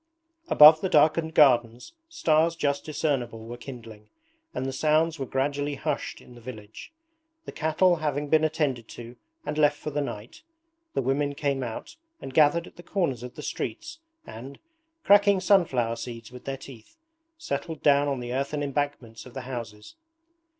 Above the darkened gardens stars just discernible were kindling, and the sounds were gradually hushed in the village. The cattle having been attended to and left for the night, the women came out and gathered at the corners of the streets and, cracking sunflower seeds with their teeth, settled down on the earthen embankments of the houses.